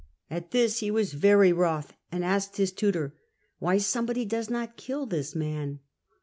At this he was very wroth, and asked his tutor why somebody does not kill this man."